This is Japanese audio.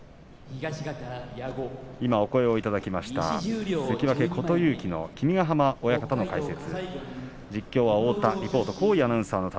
今お声をいただきました関脇琴勇輝の君ヶ濱親方の解説。